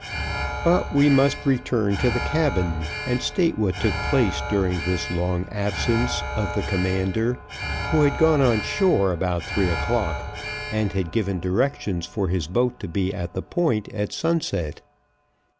But we must return to the cabin, and state what took place during this long absence of the commander, who had gone on shore about three o'clock, and had given directions for his boat to be at the Point at sunset.